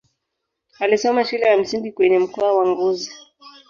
Alisoma shule ya msingi kwenye mkoa wa Ngozi.